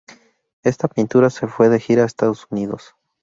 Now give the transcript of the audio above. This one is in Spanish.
Esta pintura se fue de gira a Estados Unidos.